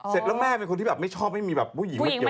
เสร็จแล้วแม่เป็นคนที่แบบไม่ชอบให้มีแบบผู้หญิงมาเกี่ยว